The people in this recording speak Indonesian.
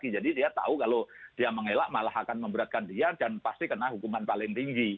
karena dia sudah tahu kalau dia mengelak malah akan memberatkan dia dan pasti kena hukuman paling tinggi